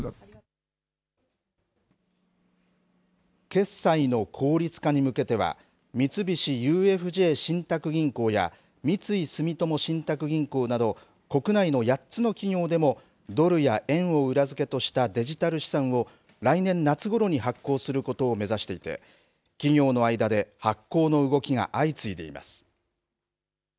決済の効率化に向けては三菱ＵＦＪ信託銀行や三井住友信託銀行など国内の８つの企業でもドルや円を裏付けとしたデジタル資産を来年夏ごろに発行することを目指していて企業の間で発行の動きが相次いでいます。